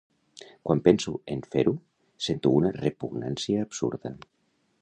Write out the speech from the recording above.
Quan penso en fer-ho, sento una repugnància absurda.